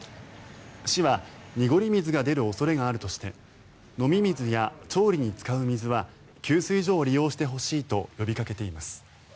市は濁り水が出る恐れがあるとして飲み水や調理に使う水は給水所を利用してほしいと呼びかけています。